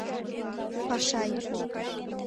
Пашай.